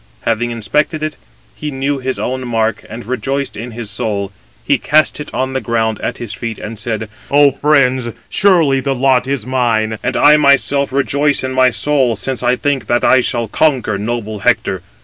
Having inspected it, he knew his own mark, and rejoiced in his soul. He cast it on the ground at his feet, and said: "Ο friends, surely the lot is mine, and I myself rejoice in my soul, since I think that I shall conquer noble Hector.